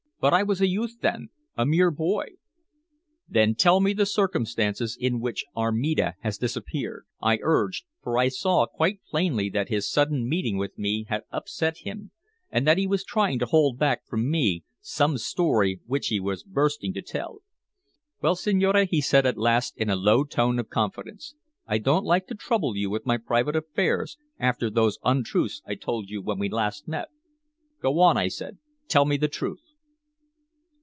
But I was a youth then a mere boy." "Then tell me the circumstances In which Armida has disappeared," I urged, for I saw quite plainly that his sudden meeting with me had upset him, and that he was trying to hold back from me some story which he was bursting to tell. "Well, signore," he said at last in a low tone of confidence, "I don't like to trouble you with my private affairs after those untruths I told you when we last met." "Go on," I said. "Tell me the truth."